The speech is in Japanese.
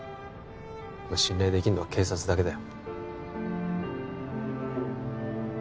信頼できるのは警察だけだよ